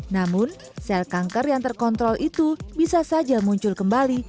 namun sel kanker yang terkontrol itu bisa saja muncul kembali